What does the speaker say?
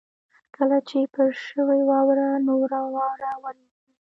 کله چې پر شوې واوره نوره واوره ورېږي